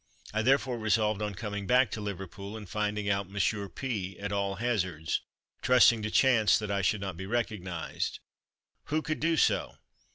I therefore resolved on coming back to Liverpool and finding out Monsieur P at all hazards, trusting to chance that I should not be recognised. Who could do so?